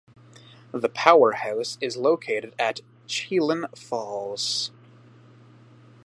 The powerhouse is located at Chelan Falls.